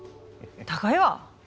高いわ！